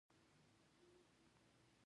مزار شریف ولې د نیلي جومات ښار دی؟